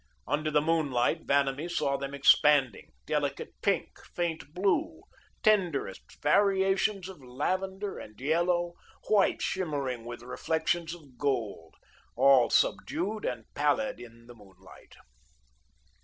Under the moonlight, Vanamee saw them expanding, delicate pink, faint blue, tenderest variations of lavender and yellow, white shimmering with reflections of gold, all subdued and pallid in the moonlight.